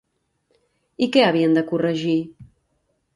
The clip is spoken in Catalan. I què havien de corregir?